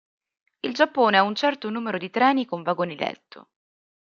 Il Giappone ha un certo numero di treni con vagoni letto.